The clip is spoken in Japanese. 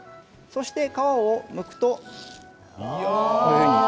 それで皮をむくと。